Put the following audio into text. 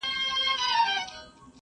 چي پیدا دی یو پر بل باندي بلوسیږي ,